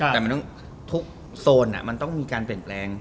แต่มันต้องทุกโซนมันต้องมีการเปลี่ยนแปลง